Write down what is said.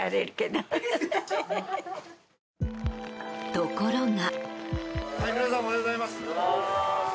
ところが。